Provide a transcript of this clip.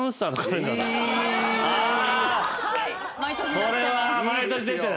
これは毎年出てる。